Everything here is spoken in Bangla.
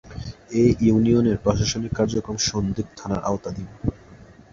এ ইউনিয়নের প্রশাসনিক কার্যক্রম সন্দ্বীপ থানার আওতাধীন।